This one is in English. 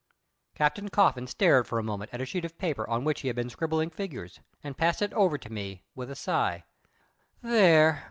Captain Coffin stared for a moment at a sheet of paper on which he had been scribbling figures, and passed it over to me, with a sigh. "There!